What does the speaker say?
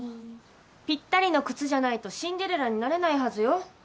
ぴったりの靴じゃないとシンデレラになれないはずよ。